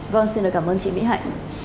vâng xin cảm ơn chị mỹ hạnh